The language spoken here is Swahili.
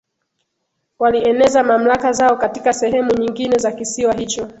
walieneza mamlaka zao katika sehemu nyingine za kisiwa hicho